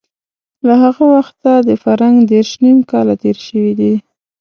له هغه وخته د فرهنګ دېرش نيم کاله تېر شوي دي.